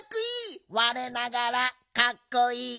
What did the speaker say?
われながらかっこいい。